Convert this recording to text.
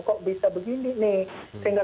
kok bisa begini nih sehingga